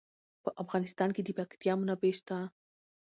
په افغانستان کې د پکتیا منابع شته.